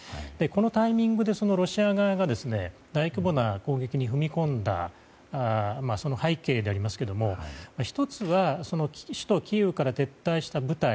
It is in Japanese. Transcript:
このタイミングでロシア側が大規模な攻撃に踏み込んだ背景でありますが１つは首都キーウから撤退した部隊。